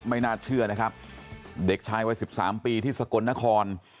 ไม่น่าเชื่อนะครับเด็กชายวัย๑๓ปีที่สกลนคร